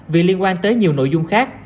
vì liên quan tới nhiều nội dung khác